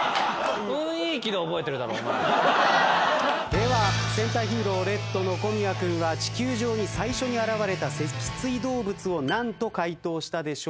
では戦隊ヒーローレッドの小宮君は地球上に最初に現れたセキツイ動物を何と解答したでしょうか？